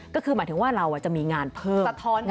ก็คือหมายถึงว่าเราจะมีงานเพิ่มสะท้อน